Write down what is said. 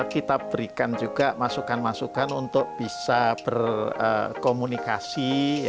kita berikan juga masukan masukan untuk bisa berkomunikasi